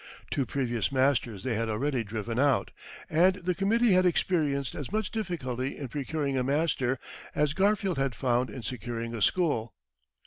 Two previous masters they had already driven out, and the committee had experienced as much difficulty in procuring a master, as Garfield had found in securing a school.